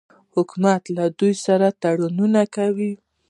حکومت له دوی سره تړونونه کوي.